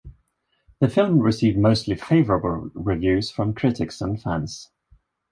The film received mostly favorable reviews from critics and fans.